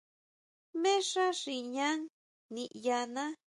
Jmé xá xi ñaʼán niʼyaná.